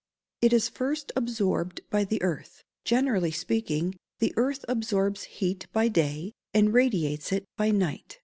_ It is first absorbed by the earth. Generally speaking, the earth absorbs heat by day, and radiates it by night.